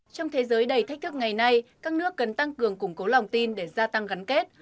trong thế giới đầy thách thức ngày nay các nước cần tăng cường củng cố lòng tin để gia tăng gắn kết